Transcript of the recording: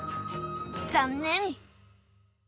残念！